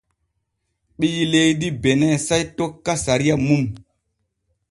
Ɓii leydi Bene sey tokka sariya mum.